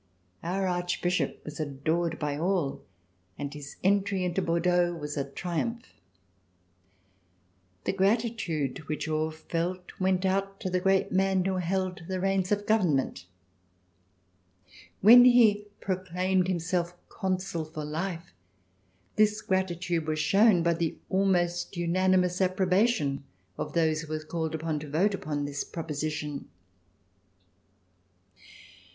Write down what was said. Our Archbishop was adored by all and his entry into Bordeaux was a triumph. The gratitude which all felt went out to the great man who held C320] 1763 1814 LIFE AT LK HOllLH the reins of government. When he proclaimed himself Consul for Life, this gratitude was shown by the almost unanimous apj)robation of those who were called upon to vote uj)on this proposition.